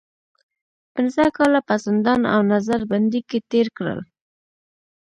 پنځه کاله په زندان او نظر بندۍ کې تېر کړل.